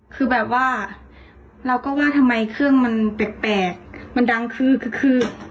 คือแบบว่าเราก็ว่าทำไมเครื่องมันแปลกมันดังคือคือ